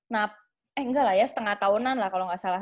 nah enggak lah ya setengah tahunan lah kalau nggak salah